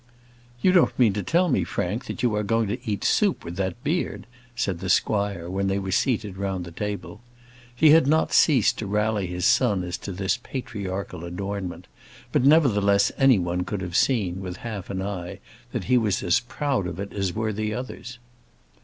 "You don't mean to tell me, Frank, that you are going to eat soup with that beard?" said the squire, when they were seated round the table. He had not ceased to rally his son as to this patriarchal adornment; but, nevertheless, any one could have seen, with half an eye, that he was as proud of it as were the others.